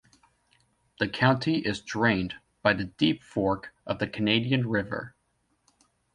The county is drained by the Deep Fork of the Canadian River.